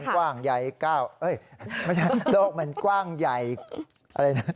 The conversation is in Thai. กว้างใหญ่ก้าวไม่ใช่โลกมันกว้างใหญ่อะไรนะ